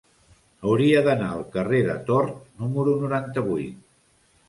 Hauria d'anar al carrer de Tort número noranta-vuit.